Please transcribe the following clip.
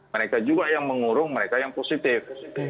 mereka juga yang mengurung mereka yang positif